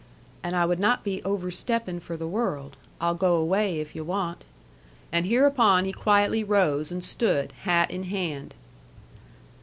"And I would not be oversteppin' for the world. I'll go away if yu' want." And hereupon he quietly rose, and stood, hat in hand.